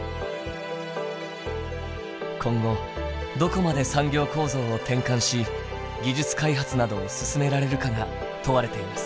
今後どこまで産業構造を転換し技術開発などを進められるかが問われています。